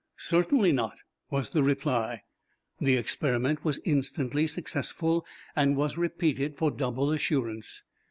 "Certainly not," was the reply. The experiment was instantly successful, and was repeated for double assurance.